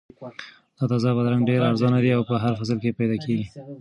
دا تازه بادرنګ ډېر ارزانه دي او په هر فصل کې پیدا کیږي.